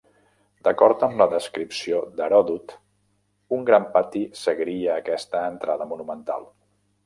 D'acord amb la descripció d'Heròdot, un gran pati seguiria aquesta entrada monumental.